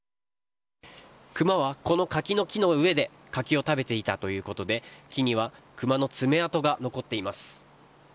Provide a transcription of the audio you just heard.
クマは、この柿の木の上で柿を食べていたということで木にはクマの爪痕が残っています。